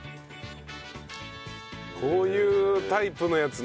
こういうタイプのやつね。